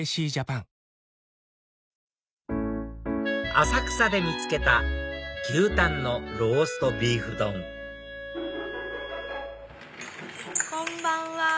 浅草で見つけた牛たんのローストビーフ丼こんばんは。